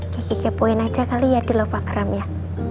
kiki kepoin aja kali ya di lovagram ya